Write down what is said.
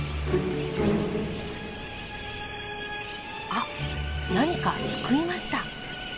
あっ何かすくいました。